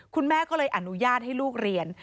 คุณแม่ก็เลยอนุญาตให้ลูกเรียน